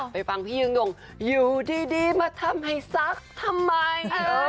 ไปฟังพี่ยงยงอยู่ดีมาทำให้ซักทำไม